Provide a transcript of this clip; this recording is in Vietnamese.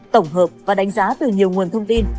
tổng hợp và đánh giá từ nhiều nguồn thông tin